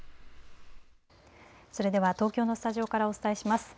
それでは東京のスタジオからお伝えします。